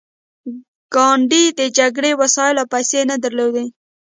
ګاندي د جګړې وسایل او پیسې نه درلودې